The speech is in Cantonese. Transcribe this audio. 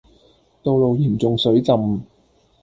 道路嚴重水浸